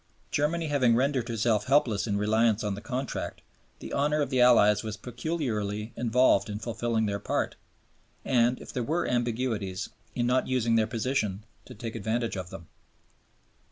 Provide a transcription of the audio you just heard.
Germany having rendered herself helpless in reliance on the Contract, the honor of the Allies was peculiarly involved in fulfilling their part and, if there were ambiguities, in not using their position to take advantage of them.